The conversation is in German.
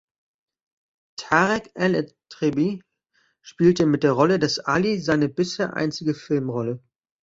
Tarek Eletreby spielte mit der Rolle des "Ali" seine bisher einzige Filmrolle.